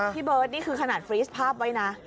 เบิร์ตนี่คือขนาดฟรีสภาพไว้นะ